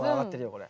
これ。